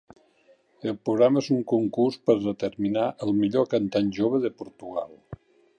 El programa és un concurs per determinar el millor cantant jove de Portugal.